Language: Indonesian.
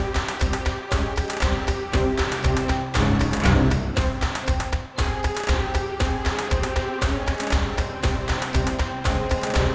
terima kasih pak